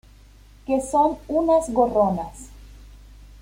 que son unas gorronas